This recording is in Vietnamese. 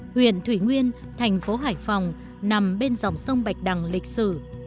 huyện thủy nguyên thành phố hải phòng nằm bên dòng sông bạch đằng lịch sử